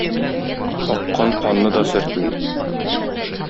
Аккан канны да сөртми